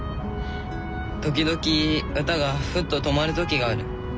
時々歌がふっと止まる時がある。